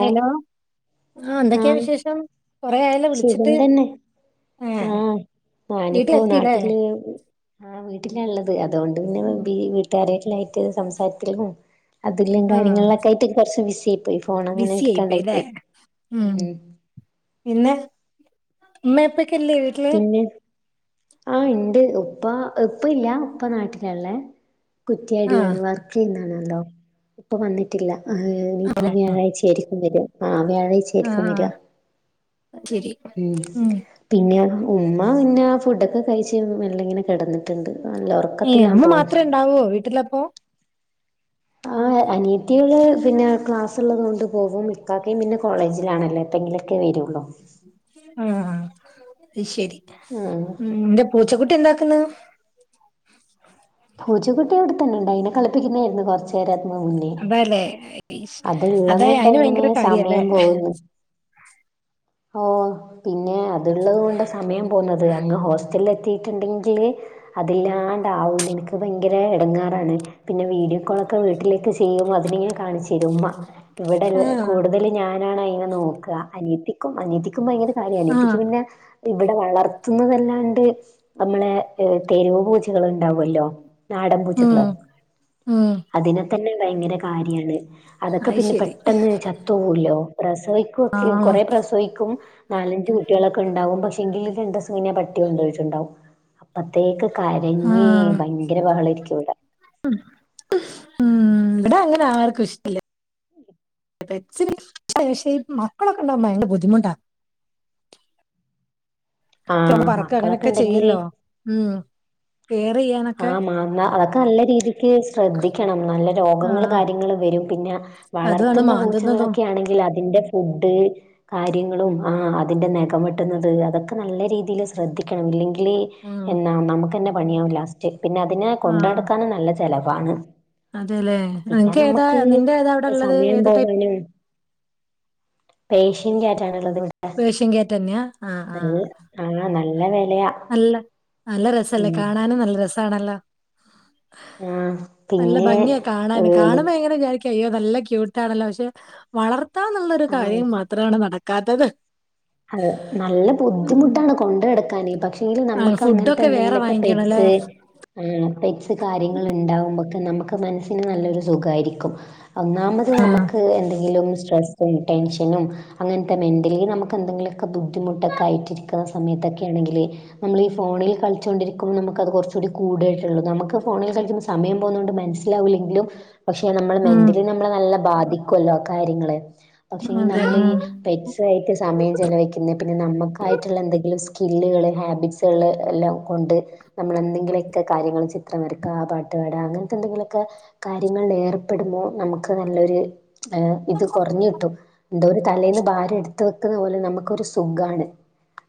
Hello ആഹ് എന്തൊക്കെ വിശേഷം കൊറേ ആയല്ലോ സുഖം വിളിച്ചിട്ട് തന്നെ ഏ ആഹ് ഞാനിപ്പൊ വീട്ടിലെത്തില്ലേ നാട്ട്ല് ആഹ വീട്ടിലാള്ളത് അതുകൊണ്ട് പിന്നെ വീട്ട്കാരെല്ലായിട്ട് സംസാരത്തില് ഇങ്ങനെ അതിലും ആ കാര്യങ്ങളിലൊക്കെ ആയിട്ട് കുറച്ച് ബിസിയായി ബിസി ആയി പോയി ലേ ഉം പിന്നെ ഉമ്മെ ഉപ്പക്കെ ഇല്ലേ വീട്ടില് പിന്നെ ആഹ ഇണ്ട് ഉപ്പ ഇപ്പല്ല ഉപ്പ നാട്ടിലാളേള ആ കുറ്റ്യാടിയാണ് വർക്ക് ചെയ്യുന്നാണല്ലോ ഇപ്പൊ വന്നിട്ടില്ല ഇനിയിപ്പോ അതെ വ്യാഴാഴ്ച ആയിരിക്കും ക്കും വെരാ ആഹ് വ്യാഴാഴ്ച ആഹ അയ്ശരി ഉം പിന്നെ ഉമ്മ പിന്നെ ഫുഡൊക്കെ കഴിച്ച് മെല്ലെ ഇങ്ങനെ കിടന്നിട്ടുണ്ട് നല്ലൊർ ഏഹ് അമ്മ മാത്രേ ഇണ്ടാവോ വീട്ടിലപ്പോ ആഹ് അനിയത്ത്യാള് പിന്നെ ക്ലാസ് ഉള്ളതൊണ്ട് പോകും ഇക്കാക്കിം പിന്നെ കോളേജിലാണല്ലോ എപ്പെങ്കിലും ഒക്കെ വരൊള്ളൂ ആഹ് അത് ശരി ഉം നിന്റെ പൂച്ചക്കുട്ടി എന്താക്കുന്ന് പൂച്ചക്കുട്ടി ഇ വിടെത്തന്നെ ഉണ്ട അതിനെ കളിപ്പിക്കുന്നതായിരുന്നു കൊറച്ചു നേരം അതിനു മുന്നേ അല്ലെ അത്ള്ള കൊണ്ട് എങ്ങനെ സമയം പോവുന്നു ഓ പിന്നെ അത്ള്ളത് കൊണ്ട് സമയം പോവുന്നത് അങ്ങ് ഹോസ്,, ലെത്തിട്ടുണ്ടെങ്കില് അതില്ലാണ്ടാവൂല എനിക്ക് ഭയങ്കര ഇടങ്ങാറാണ് പിന്നെ വീഡിയോ കോളൊക്കെ വീട്ടിലേക്കെ ചെയ്യുമ്പോൾ അതിന് ഇങ്ങനെ കാണിച്ച തരും ഉമ്മ ഇവിടെ ആ കൂടുതല,, ഞാനാണ് അതിനെ നോക്കുക അനിയത്തിക്കും അനിയത്തിക്കും ഭയങ്കര കാര്യ ആ അനിയത്തിക്ക് പിന്നെ ഇവിടെ വളർത്തുന്നതല്ലാണ്ട് നമ്മളെ തെരുവ് പൂച്ചകൾ ഉണ്ടാവല്ലോ നാടൻ ഉം പൂച്ചക്കള ഉം അതിനെ തന്നെ ഭയങ്കര കാര്യാണ് അതൊക്കെ അത് പിന്നെ ശരി പെട്ടെന്ന് ചത്ത് പോവല്ലോ പ്രസവിക്ക ക്കെ ആ കൊറെ പ്രസവിക്കും നാലഞ്ചു കുട്ടികളൊക്കെ ഉണ്ടാവും പക്ഷെങ്കിൽ രണ്ട്ദിവസം കഴിഞ്ഞപട്ടി കൊണ്ടോയിട്ടുണ്ടാവും അപ്പത്തേക്ക് കരഞ്ഞ് ഭയങ്കര ബഹളായിരിക്കും ഇവ് ടെ ഉ ഉ ഇവിടെ അങ്ങനെ ആർക്കും ഇഷ്ടല്ല പക്ഷെ മക്കളൊക്കെണ്ടും ഭയങ്കര ബുദ്ധിമുട്ടാ ഒക്കെയങ് ആഹ് പെറക്ക മക്കളൊക്കെ അങ്ങനെയൊക്കെ ഉണ്ടെങ്കില് ചെയ്യല്ലോ ഉം കെയർ ചെയ്യാനൊക്കെ ആഹ് മാങ്ങ അതൊക്കെ നല്ല രീതിക്ക് ശ്രദ്ധിക്കണം നല്ല രോഗങ്ങൾ ആഹ് കാര്യങ്ങൾ വരും പിന്നെ,, അതുമാണ് വളർത്തുന്ന മാന്തുന്നതും പൂച്ചകളൊക്കെ ആണെങ്കിൽ അതിന്റെ ഫുഡ് കാര്യങ്ങളും ആഹ് അതിന്റെ നകം വെട്ടുന്നത് അതൊക്കെ നല്ല രീതിയിൽ ശ്രദ്ധിക്കണം ഇല്ലെങ്കിൽ ഉം എന്നാ നമുക്ക്ന്നെ പണിയാവും ലാസ്റ്റ് പിന്നെ അതിനെ ആഹ് കൊണ്ടടക്കൻ നല്ല ചലവാണ് അതെല്ലേ പിന്നെ നിനക്ക് ഏതാ നമക്ക് നിന്റെ ഏതാ അവിടെ ഉള്ളത് സമയം ഏത് ടൈപ്പ് പോവാനും പേർഷ്യൻ കാറ്റാണ് ഉുള്ളത് ഷ്യൻ കേറ്റന്നാ ആഹ് നല്ല ആഹ് ആഹ് നല്ല വെലയാ നല്ല നല്ല രസല്ലേ ഉം കാണാനും നല്ല രസാണല്ലോ ആഹ് നല്ല പിന്നെ ഭംഗിയ കാണാൻ കാണുമ്പോ എനിക്ക് എങ്ങനെ വിചാ അയ്യോ നല്ല ക്യൂട്ടാണല്ലോ പക്ഷെ വളർത്താന്നുള്ളൊരു ആഹ് കാര്യം മാത്രമാണ് നടക്കാത്തത് അതെ നല്ല ഉം ബുദ്ധിമുട്ടാണ് കൊണ്ട് ടക്കാൻ പക്ഷെ ൽ ആഹ് നമ്മ്ക്ക് അങ്ങനത്തെ ഫുഡൊക്കെ വേറെ എന്തെങ്കിലുമൊക്കെ വാങ്ങിക്കണല്ലേ പെറ്റ്സ് ഉം പെറ്റ്സ് കാര്യങ്ങൾ ഉണ്ടാവുമ്പൊക്കെ നമുക്ക് മനസ്സിന് നല്ലൊരു സുഖമായിരിക്കും ഒന്നാമത് നമുക്ക് എന്തെങ്കിലും സ്ട്രെസും ടെൻഷനും അങ്ങനത്തെ മെന്റലി നമുക്ക് എന്തെങ്കിലൊക്കെ ബുദ്ധിമുട്ടൊക്കെ ആയിട്ടിരിക്കുന്ന സമയത്തൊക്കെ ആണെങ്കിൽ നമ്മൾ ഈ ഫോണിൽ കളിച്ചുകൊണ്ടിരിക്കുമ്പോ നമുക്കത് കുറച്ച്കൂടി കൂടായിട്ടുള്ളൂ നമുക്ക് ഫോണിൽ കളിക്കു,, സമയം പോകുന്നതൊണ്ട് മനസ്സിലാവില്ലെങ്കിലും പക്ഷെ നമ്മള് ഉം മെന്റലി നമ്മളെ നല്ല ബാധിക്കോലോ ആ കാര്യങ്ങള് പക്ഷെ അതെ നമ്മളി ഉം പെറ്റ്സ്,, ആയിട്ട [unintelligible] സമയം ചിലവക്കുന്നത് പിന്നെ നമുക്കായിട്ടുള്ള എന്തെങ്കിലും സ്കില്ലുകള് ഹാബിറ്റ്സുകൾ എല്ലാം കൊണ്ട് നമ്മളെന്തെങ്കിലുമൊക്കെ കാര്യങ്ങൾ ചിത്രം നിരക്കുക പാട്ടപാടുക അങ്ങനത്തെ എന്തെങ്കിലുമൊക്കെ കാര്യങ്ങളിൽ ഏർപ്പെടുമ്പോൾ നമുക്ക് നല്ലൊരു എഹ് ഇത് കുറഞ്ഞു കിട്ടു എന്താ ഒരു തലേൽന്ന് ഭാരം എടുത്ത് ത്ത് വെക്കുന്ന പോലെ നമുക്കരു സുഖമാണ്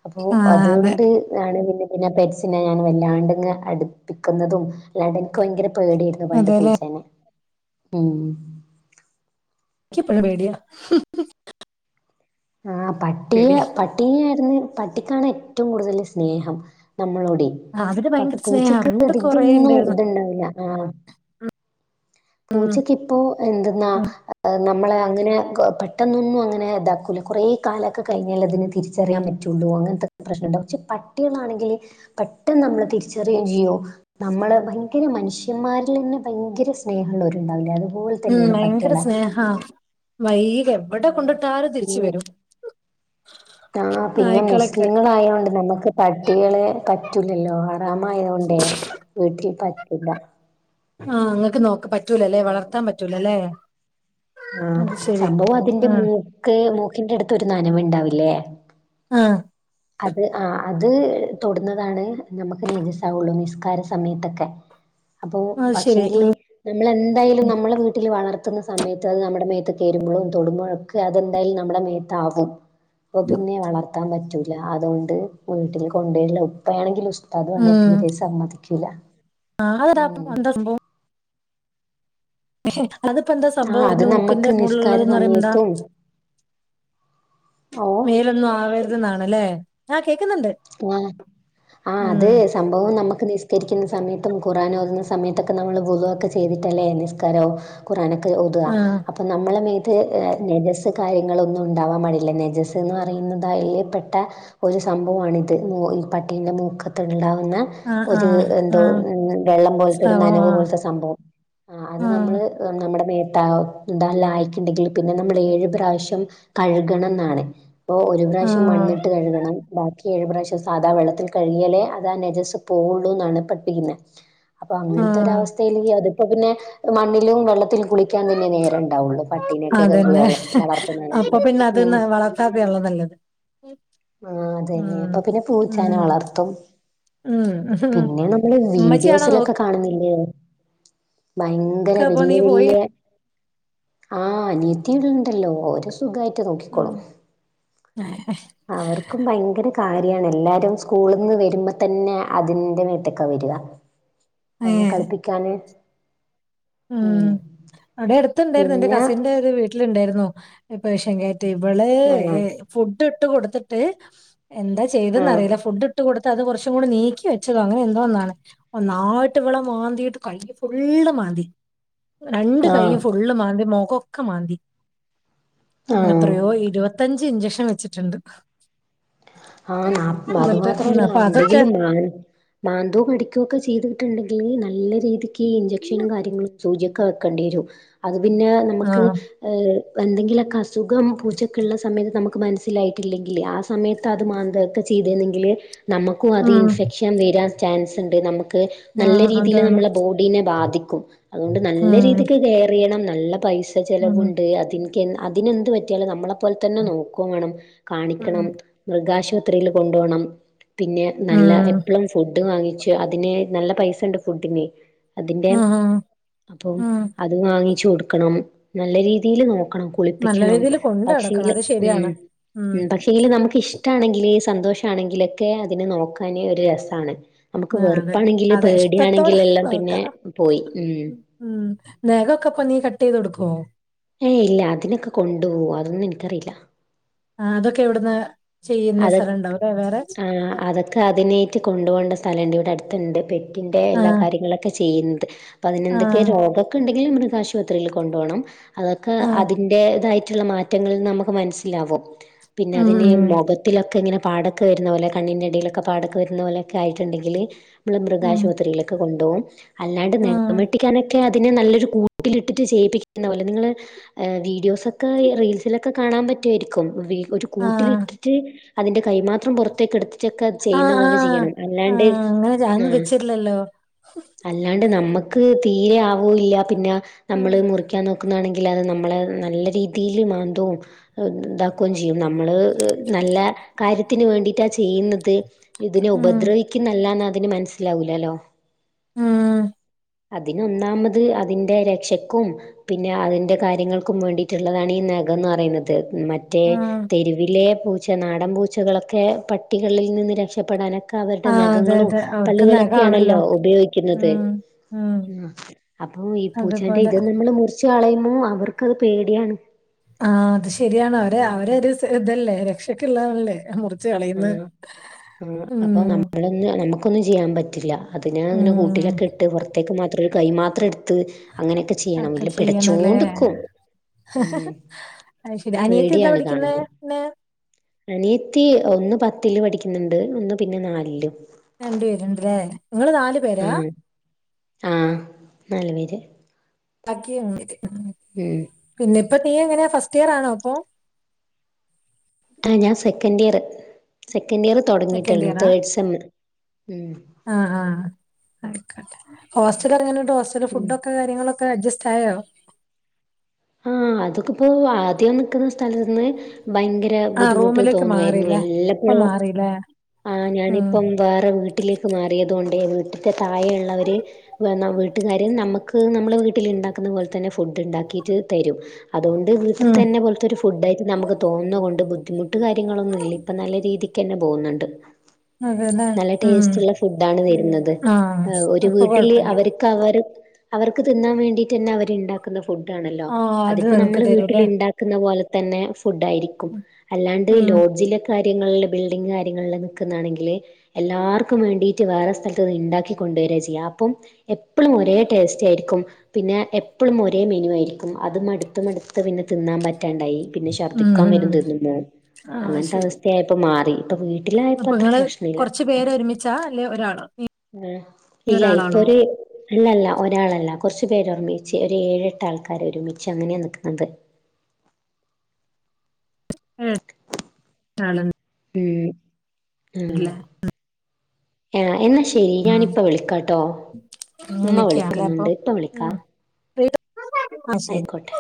അപ്പോ ആ അതെ അതുകൊണ്ടാ ണ് പിന്നെ പിന്നെ പെറ്റ്സിനെ ഞാൻ വല്ലാണ്ടാങ്ങ് അടുപ്പിക്കുന്നതും അല്ലാ എനിക്ക് ഭയങ്കര പേടിയാരുന്നു പണ്ട് അതെല്ലേ പൂച്ചേനെ ഉം നിക്കെപ്പോഴും പേടിയാ ആഹ് പട്ടിയ് പേടിയാ പട്ടി, യാരുന്നു പട്ടിക്കാണ് ഏറ്റവും കൂടുതൽ സ്നേഹം നമ്മളോട് ആ, അവര് പക്ഷേ ഭയങ്കര സ്നേഹാ പൂച്ചക്ക് പണ്ട് കൊറേ അധികംന്നും ഇണ്ടായിരുന്നു ഇത്ണ്ടാവില്ല ആഹ് പൂജക്കിപ്പോ എന്തെന്നാ ഉം ് നമ്മളെ അങ്ങനെ പെട്ടെന്നൊന്നും അങ്ങനെ ഇതാക്കൂല കുറേ കാലൊക്കെ കഴിഞ്ഞാൽ അതിന് തിരിച്ചറിയൻ പറ്റും [unintelligible] അങ്ങൻത്തെ പ്രശ്നം ണ്ടാവും പക്ഷെ പട്ടികളാണെങ്കില് പെട്ടെന്ന് നമ്മള് തിരിച്ചറിയയും ചിയ്യും, നമ്മള് ഭയങ്കര മനുഷ്യന്മാരിൽ നിന്ന് ഭയങ്കര സ് സ്നേഹ ള്ളൊരു ണ്ടാവില്ലേ അത് ഉം, ഭയങ്കര സ്നേഹാ, വൈക എവടെ ആഹ് കൊണ്ടിട്ടാലും തിരിച്ച് പിന്നെ വരും. ആഹ് പിന്നെ നായ്ക്കളൊക്കെ മുസ്ലിങ്ങൾ ആയോണ്ട് നമ്മക്ക് പട്ടികളെ പറ്റൂലല്ലോ. ഹറാമായൊണ്ടെ വീട്ടിൽ പറ്റില്ല. ആഹ്, ങ്ങക്ക് നോക്ക പറ്റൂലല്ലേ വളർത്താം പറ്റൂലല്ലേ. ആഹ്, അത് ശരി സംഭവം അതിന്റെ ആഹ് മൂക്ക് മൂക്കിന്റെ അടുത്ത് ഒരു നനവുണ്ടാവില്ലേ. ആഹ്. അത് ആഹ്, അത് തൊടുന്നതാണ് നമ്മക്ക് നജസാവുള്ളു നിസ്കാര സമയത്തൊക്കെ. [inaudible] അപ്പൊ അത് ശരി പക്ഷെങ്കില് ഉം നമ്മളെന്തായാലും നമ്മളെ വീട്ടില് വളർത്തുന്ന സമയത്ത് അയ് നമ്മുടെ മേത്ത് കേരുമ്പോഴും തൊടുമ്പോഴോ അതന്തായലും നമ്മടെ മേത്താവും, അപ്പൊ പിന്നെ വളർത്താൻ പറ്റൂ അതുകൊണ്ട് വീട്ടിൽ കൊണ്ടര്ല്ലാ ഉപ്പയാണെങ്കില് ഉസ്താദ് ആണ് ഉം തീരെ സമ്മതിക്കൂല. [unintelligible] ഉം [unintelligible] അതിപ്പോ ന്താ ആ സംഭവം അത് മൂക്കിന്റെ നമ്മക്ക് നിസ്കാര മോൾലുള്ളത്ന്ന് പറയുമ്പന്താ? സമയത്തും ഓഹ് മേലൊന്നും ആവര്തെന്നാണല്ലേ ആഹ് കേക്കുന്നുണ്ട്. ആഹ് ആ അത് ഉം സംഭവം നമ്മക്ക് നിസ്കരിക്കുന്ന സമയത്തും ഖുറആൻ ഓതുന്ന സമയത്തൊക്കെ നമ്മള് വുലൂഹ് ഒക്കെ ചെയ്ത്ട്ടല്ലേ നിസ്കാരാ ഖുർആൻ ഒക്കെ ഓത്ആ ആഹ് അ നമ്മളെ മേത്ത് നെജസ്സ് കാര്യങ്ങളൊന്നും ഉണ്ടാവാൻ പാടില്ല നെജസ്ന്ന് പറയുന്നതയില് പ്പെട്ട ഒരു സംഭവാണിത് ഈ പട്ടീന്റെ മൂക്കത്ത് ഉണ്ടാവുന്ന ആഹ് ഒരു ആഹ് എന്തോ ആഹ് വെള്ളം പോലത്തെ ഒരു സ്രവം നനവ് ആഹ് പോലത്തെ സംഭവം ആ അത് ആഹ് നമ്മള് നമ്മടെ മേത്ത എന്താല്ല ആയിക്കുണ്ടെങ്കില് പിന്നെ നമ്മള് ഏഴ് പ്രാവിശ്യം കഴുകണം ന്നാണ്. അപ്പോ ഒരു പ്രാവിശ്യം ആഹ് മണ്ണിട്ട് കഴുകണം, ബാക്കി ഏഴ് പ്രാവിശ്യം സാധാ വെള്ളത്തിൽ കഴുകിയാലേ രേ നജസ്സ് പോവുള്ളൂ ന്നാണ് പട്ടീന്ന്, അപ്പൊ അങ്ങൻത്തെ ഒര ആഹ് അവസ് [unintelligible] അത് പ്പ പിന്നെ മണ്ണിലും വെള്ള ത്തിൽ കുളിക്കാൻ തന്നെ നേരം ണ്ടാവുള്ളു, പട്ടീനെക്കെ അതന്നെ വള വളർത്തുന്നാണെങ്കില് ഉം. സാദ്യയുള്ളതല്ലത് [unintelligible] ആഹ് അതെന്നെ അപ്പൊ പിന്നെ പൂച്ചനെ ഉം വളർത്തും. ഉം പിന്നെ നമ്മള് ഉമ്മച്ചിയാണോ വീഡിയോസിലൊക്കെ നോക്ക കാണുന്നില്ലേ ഭയങ്കര അപ്പൊ വല്യ നീ പോയി വല്യ ആഹ്, അനിയത്തിവിടണ്ടല്ലോ ഓര് സുഗായിട്ട് ഉം നോക്കിക്കോളും. [unintelligible] അവർക്കും ഭയങ്കര കാര്യാണ് ല്ലാരും സ്കൂള്ന്ന് വരുമ്പത്തന്നെ അതിന്റെ മെത്തേകാ വരിക. [inaudible] അയിന് കളിപ്പിക്കാന്. ഉം, അവെ അടുത്തുണ്ടായിരുന്നു എന്റെ പിന്നെ കസിന്റെ ഒരു വീട്ടിലുണ്ടായിരുന്നു ഈ പെർഷ്യൻ ക്യാ തിവള് ആഹ് ഏ ഫുഡ് ഇട്ട് കൊടുത്തിട്ട് എന്താ ആഹ് ചെയ്തെന്നറിയില്ല ഫുഡ് ഇട്ട് കൊടുത്ത അത് കൊറച്ചുകൂടി നീക്കി വെച്ചതോ അങ്ങനെ എന്തോ ഒന്നാണ്. ഒന്നായിട്ട് ഇവളെ മാന്തീട്ട് കയ്യ് ഫുള്ള് മാന്തി. രണ്ട് ആഹ് കൈയ്യും ഫുള്ള് മാന്തി മുഖൊക്കെ മാന്തി. ആഹ് എത്രയോ ഇരുപത്തഞ്ച് ഇഞ്ചക്ഷൻ വെച്ചിട്ടുണ്ട്. ആഹ് ന അത് എന്നിട്ട് ഉം മാത്രല്ല അപ്പൊ അതൊക്കെ എന്തെങ്കിലും മാ മാന്തുവോ കടിക്കോക്കെ ചെയ്തിട്ടുണ്ടെങ്കില് നല്ല രീതിക്ക് ഇൻജക്ഷനും കാര്യങ്ങളും സൂചിയൊക്കെ വെ ക്കണ്ടിവരും, അത് പിന്നെ ആ നമ്മക്ക് എന്തെങ്കിലൊക്കെ അസ് സുഖം പൂച്ചക്ക്‌ള്ള സമയത്ത് നമ്മക്ക് മനസ്സിലായിട്ടില്ലെങ്കില് ആ സമയ തത് മാന്തൊക്കെ ചെയ്തരുന്നെങ്കില് നമ്മക്കു അത് ഉം ഇൻഫെക്ഷൻ വരാൻ ചാൻസ്ണ്ട് നമ്മക്ക് ആ നല്ല രീതില് അതാണ് നമ്മള ബോഡീനെ ബാധിക്കും അതുകൊണ്ട് നല്ല ഉം രീതിക്ക് കെയർ ചെയ്യണം നല്ല പൈസ ഉം ചെലവുണ്ട് അതിനികെ അതിനെന്ത് പറ്റിയാലും നമ്മള പോല തന്നെ നോക്കുംവേണം ഉം കാണിക്കണം മൃഗാശുപത്രിയില് കൊണ്ടോണം പിന്നെ നല്ല എപ ഉം പ്പളും ഫുഡ് വാങ്ങിച്ച് അതിനെ നല്ല പൈസെണ്ട് ഫുഡിന് അതിന്റെ ഉം അപ്പോ ഉം അത് വാങ്ങിച്ചു കൊടുക്കണം നല്ല രീതില് നോക്കണം നല്ല കുളിപ്പിക്കണം രീതിയിൽ കൊണ്ട് നടക്കണം പക്ഷിങ്കില് അത് ഉം ശരിയാണ് ഉം പക്ഷ ങ്കില് നമുക്കിഷ്ടാണെങ്കില് സന്തോഷാണെങ്കിലൊക്കെ അതിനെ നോക്കാന് ഒരു രസാണ് നമുക്ക് ആ അതെ വെറുപ്പാണെങ്കില് അതെ ഇഷ്ടത്തോടെ പേടിയാണെങ്കിലെല്ലാം പിന്നെ നോക്കാം പോയി ഉം ഉം നഖോക്ക ഇപ്പ നി കട്ട് ചെയ്ത് കൊടുക്കുവോ ഏയ് ഇല്ല അതിനെക്ക കൊണ്ടുപോവു അതൊന്നും എനിക്കറിയില്ല ആ അതൊക്കെ എവിടുന്ന ചെയ്യുന്ന സ്ഥലണ്ടോ അവിടെ വേറെ ആ അത ക അതിനേട്ട് കൊണ്ട് പോണ്ട സ്ഥലണ്ട് ഇവിട അടുത്ത്ണ്ട് പെറ്റിൻന്റെ ആ എല്ലാ കാര്യങ്ങളെക്കെ ചെയ്യിന്നത് അപ്പ ആ അതിനെന്തക്കെ രോഗക്ക്ണ്ടെങ്കില് മൃഗാശുപത്രിയില് കൊണ്ടോണം അതൊക്ക ആ അതി ന്റെതായിട്ടുള്ള മാറ്റങ്ങളിൽന്ന് നമുക്ക് മനസ്സിലാവും പിന്നെ ഉം അതിന് മുഖ ത്തിലൊക്കെ ഇങ്ങനെ പാടൊക്കെ വരുന്നപോലെ കണ്ണിനെടയിലൊക്കെ പാടൊക്കെ വരുന്നപോലെക്ക ആയിട്ടുണ്ടെങ്കില് മ്മള് ഉം മൃഗാശുപത്രിയിലൊക്ക കൊണ്ടോവും അല്ലാണ്ട് നെ ഖം ഉം വെട്ടിക്കാനെ ക്കെ അതിന് നല്ലൊരു കൂട്ടിലിട്ടിട്ട് ചെയ്യിപ്പിക്ക് ന്ന പോലെ നിങ്ങള് വീഡിയോസെക്ക ഇ റീൽസിലക്ക കാണാപറ്റുവായിരിക്കും വി ഒരു ആ ആ കൂട്ടിലിട്ടിട്ട് അതിന്റെ കൈമാത്രം പുറത്തേക്ക് എടുത്ത് [unintelligible] ആ ചെയ്യുന്ന ആ പോലെ ചെയ്യണം ആ അല്ലാണ്ട് അങ്ങനെ ഞാൻ ആ വെച്ചിട്ടില്ലല്ലോ അല്ലാണ്ട് നമ്മക്ക് തീരെ ആവൂയില്ല പിന്ന ഉം നമ്മള് മുറിക്കാൻ നോക്ക ക്കുന്നാണെങ്കിലത് നമ്മളെ നല്ല രീതീല് മാന്തോം അ ഇതാക്കും ചെയ്യും നമ്മള് നല്ല കാര്യത്തിന് വേണ്ടിട്ട ചെയ്യുന്നത് ഇതിനെ ഉം ഉപദ്രവിക്ക്ന്നല്ലാന്ന് അതിന് മനസ് സിലാവൂലല്ലോ ഉം അതിനൊന്നാമത് അതിന്റെ രക്ഷക്കും പിന്നെ അതിന്റെ കാര്യങ്ങൾക്കും വേണ്ടിട്ടുള്ളതാണീ നഖന്ന് പറയുന്ന ത് മറ്റേ തെരുവിലെ പൂച്ച നാടൻ പൂച്ചകളൊക്കെ പട്ടികളിൽ നിന്ന് രക്ഷപ്പെടാനെ ക്ക അവര്ടെ ആഹ് അതെ നഖങ്ങളും അതെ അവർക്ക് നഖാണല്ലോ പല്ലുകള്ക്കെയാണല്ലോ ഉപയോഗിക്കുന്നത് ഉം ഉം അ അപ്പൊ ഈ പൂച്ചെന്റെ അതുപോലെ ഇത് നമ്മള് മുറിച്ച് കളയുമ്പോ അവർക്കത് പേടിയാണ് ആ അത് ശരിയാണ് അവരെ അവരോരു സ ഇതല്ലെ രക്ഷക്കുള്ളതല്ലെ മുറിച്ച് കളയിന്ന് ഉം ത് നമുക്കൊന്നും ചെയ്യാൻപറ്റില്ല അതിനെ അതിന്റെ ഉം കൂട്ടിലൊക്കെ ഇട്ട് പുറത്തേക്ക് മാത്രം ഒരു കൈ മാത്രം എടുത്ത് അങ്ങനെയൊക്കെ ചെയ്യണം ഒക്കെ ഇല്ലേ ചെയ്യണല്ലേ പിടച്ചോണ്ടിക്കും. ഉം പേടിയാണ് കാണുന്നത് മം അനിയത്തി ഒന്ന് പത്തിൽ പഠിക്കുന്നുണ്ട് ഒന്ന് പിന്നെ നാലില് രണ്ടു പേരുണ്ടില്ലേ നിങ്ങള് നാല് ആഹ് ആഹ് നാല് പേര് ബാക്കി [unintelligible] ഉ ഉം പിന്നെ ഇപ്പം നീ എങ്ങനെയാ ഫസ്റ്റ് ഇയർ ആണോ ഇപ്പോ? ആ ഞാൻ second year second year second തുടങ്ങിയിട്ടുള്ളു തേർഡ് സെമ്മ് ഉം ആ ആ ആയിക്കോട്ടെ ഹോസ്റ്റൽ എങ്ങണ്ട് ഹോസ്റ്റൽ ഉം ഫുഡൊക്കെ കാര്യങ്ങള് ഒക്കെ അഡ്ജസ്റ്റ് ആയോ? ആഹ് അതെക്കിപ്പോ ആദ്യം നിൽക്കുന്ന സ്ഥലന്ന് ഭയങ്കര ഭയങ്കര ആ ബുദ്ധിമുട്ട് റൂമിലേക്ക് തോന്നുവായിരുന്നു മാറില്ലേ ഇപ്പൊ എല്ലാപ്പോഴും മാറില്ലേ ആ ഉം ഞാനിപ്പം വേറെ വീട്ടി വീട്ടിലേക്ക് മാറിയതുകൊണ്ട് വീട്ടത്തെ താഴെയുള്ളവര് വീട്ടുകാര് നമുക്ക് നമ്മടെ വീട്ടിൽ ഉണ്ടാക്കുന്ന പോലെ തന്നെ ഫുഡ് ഉണ്ടാക്കി തരും അതുകൊണ്ട് വീട്ടിൽ ഉം തന്നെ പോലത്തൊരു ഫുഡ് ആയിട്ട് നമുക്ക് തോന്നുന്ന കൊണ്ട് ബുദ്ധിമുട്ട് കാര്യങ്ങളൊന്നും ഇല്ല ഇപ്പൊ നല്ല രീതിക്ക് തന്നെ പോകുന്നുണ്ട് അതെല്ലേ നല്ല ഉം ടേസ്റ്റ് ഉള്ള ഫുഡണ് തരുന്നത് ആ ഒരു അപ്പൊ വീട്ടില് കൊഴപ്പില്ല അവര് അവർ അവർക്ക് തിന്നാൻ വേണ്ടിട്ട് തന്നെ അവരുണ്ടാക്കുന്ന ഫുഡാണല്ലോ ആ അത് അതിപ്പോ നിങ്ങക്ക് നമ്മള് വീട്ടിൽ തരൂല്ലേ ഉണ്ടാക്കുന്ന പോലെ തന്നെ ഫുഡ് ആയിരിക്കും അല്ലാണ്ട് ഉം ലോഡ്ജിലൊക്കെ കാര്യങ്ങളിൽ ബിൽഡിങ് കാര്യങ്ങളിൽ നിൽക്കുന്നാണെങ്കിൽ എല്ലാവർക്കും വേണ്ടിട്ട് വേറെ സ്ഥലത്ത് ഉണ്ടാക്കിക്കൊണ്ടു വരുകയാ ചെയ്യുക അപ്പം എപ്പോഴും ഒരേ ടേസ്റ്റ് ആയിരിക്കും പിന്നെ എപ്പോഴും ഒരേ മീനു ആയിരിക്കും അതും അടുത്ത് മടുത്ത് പിന്നെ തിന്നാൻ പറ്റാണ്ടായി പിന്നെ ഉം ഛർദ്ദിക്കാൻ ഉം വരും ഉം. തിന്നുമ്പോ ആ അങ്ങനത്തെ ശരി അവസ്ഥയായപ്പോ മാറി ഇപ്പം വീട്ടില് അപ്പൊ നിങ്ങള് കൊറച്ചു പേര് ഒരുമിച്ചാ അല്ലെ ഒരാള് നീ ആഹ് ഇല്ല ഇപ്പൊ ഒരാളാണോ ഒരു അല്ലല്ല, ഒരാളല്ല കുറച്ചു പേരൊരുമിച്ച് ഒരു ഏഴെട്ട് ആൾക്കാര് ഒരുമിച്ച് അങ്ങനെയാ നിൽക്കുന്നത് ഉം നാളെ ഉം ആഹ് ആ എന്നാ ശരി ഉം ഞാനിപ്പം വിളിക്കാട്ടോ ഉമ്മ അങ്ങനെയൊക്കെയാണല്ലേ വിളിക്കുന്നുണ്ട് ഇപ്പം വിളിക്കാം ആഹ് ശരി ആയിക്കോട്ടെ